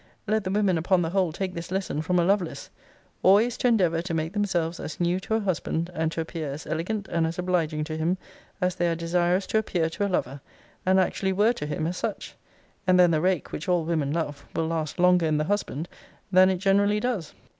Let the women, upon the whole, take this lesson from a Lovelace 'Always to endeavour to make themselves as new to a husband, and to appear as elegant and as obliging to him, as they are desirous to appear to a lover, and actually were to him as such; and then the rake, which all women love, will last longer in the husband, than it generally does.'